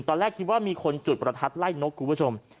ตอนแรกคิดว่ามีคนจุดประทัดไล่นกคุณผู้ชม